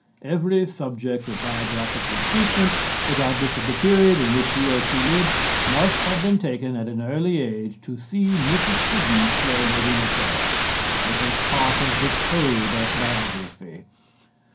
_ (Every subject of biographical treatment, regardless of the period in which he or she lived, must have been taken at an early age to see Mrs. Siddons play Lady Macbeth. It is part of the code of biography.)